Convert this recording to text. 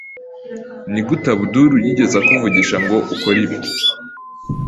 Nigute Abdul yigeze akuvugisha ngo ukore ibi?